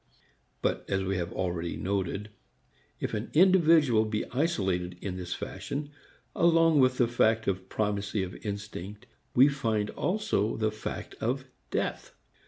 But, as we have already noted, if an individual be isolated in this fashion, along with the fact of primacy of instinct we find also the fact of death.